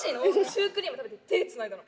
シュークリーム食べて手つないだの。